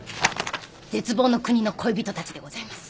『絶望の国の恋人たち』でございます。